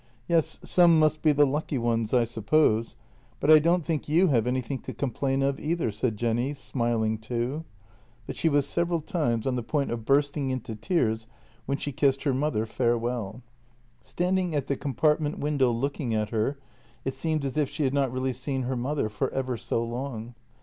" Yes, some must be the lucky ones, I suppose. But I don't think you have anything to complain of either," said Jenny, smiling too; but she was several times on the point of bursting into tears when she kissed her mother farewell. Standing at JENNY 234 the compartment window looking at her, it seemed as if she had not really seen her mother for ever so long.